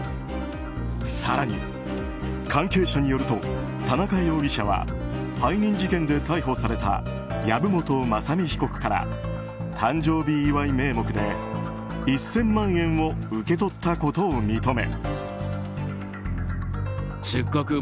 更に、関係者によると田中容疑者は背任事件で逮捕された籔本雅巳被告から誕生日祝い名目で１０００万円を受け取ったことを認め。